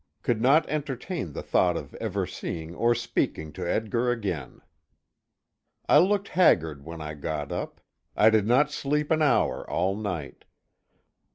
Could not entertain the thought of ever seeing or speaking to Edgar again. I looked haggard when I got up. I did not sleep an hour all night.